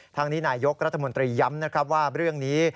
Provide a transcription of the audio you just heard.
ทางนี้นายยกรัฐมนตรีย้ำนะครับว่าเรื่องนี้